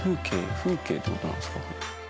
風景って事なんですか？